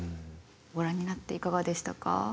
ご覧になっていかがでしたか？